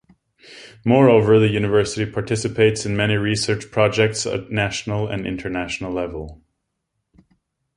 Moreover, the University participates in many research projects at national and international level.